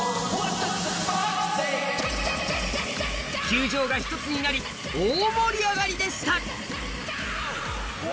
球場が１つになり、大盛り上がりでした。